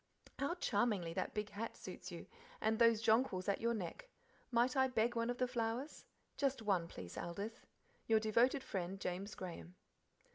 How charmingly that big hat suits you, and those jonquils at your neck. Might I beg one of the flowers? just one, please, Aldith. Your devoted friend, James Graham."